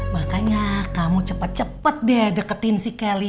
makanya kamu cepet cepet deh deketin si kelly